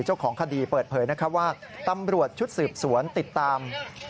เจ้าของคดีเปิดเผยนะครับว่าตำรวจชุดสืบสวนติดตาม